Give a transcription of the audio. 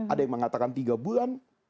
ada yang mengatakan tiga bulan